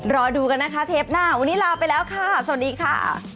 รอดูกันนะคะเทปหน้าวันนี้ลาไปแล้วค่ะสวัสดีค่ะ